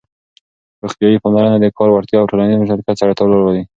روغتيايي پاملرنه د کار وړتيا او ټولنيز مشارکت سره تړاو لري.